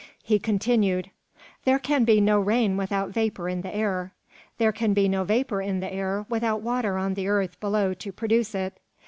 He continued "There can be no rain without vapour in the air. There can be no vapour in the air without water on the earth below to produce it.